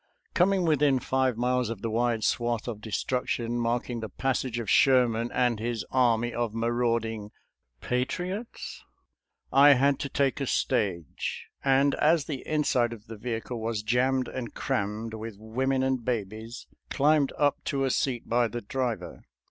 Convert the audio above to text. •*• Coming within five miles of the wide swath of destruction marking the passage of Sherman and his army of marauding patriots (?), I had to take a stage, and as the inside of the vehicle was jammed and crammed with women and babies, climbed up to a seat by the driver.